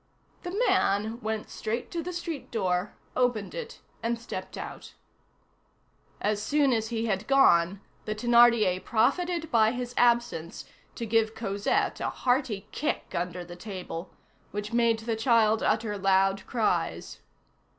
The man went straight to the street door, opened it, and stepped out. As soon as he had gone, the Thénardier profited by his absence to give Cosette a hearty kick under the table, which made the child utter loud cries.